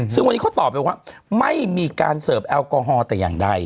ซึ่งวันนี้เขาตอบไปว่าไม่มีการเสิร์ฟแอลกอฮอล์แต่อย่างใด